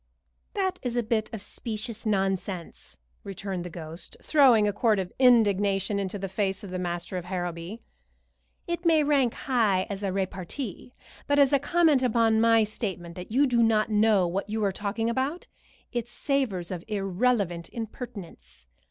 "That is a bit of specious nonsense," returned the ghost, throwing a quart of indignation into the face of the master of Harrowby. "It may rank high as repartee, but as a comment upon my statement that you do not know what you are talking about, it savors of irrelevant impertinence.